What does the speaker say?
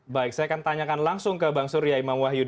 baik saya akan tanyakan langsung ke bang surya imam wahyu